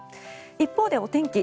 一方でお天気